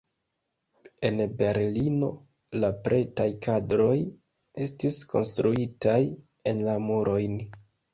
En Berlino la pretaj kadroj estis konstruitaj en la murojn.